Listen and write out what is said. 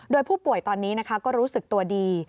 โดยผู้ป่วยตอนนี้ก็รู้สึกตัวดี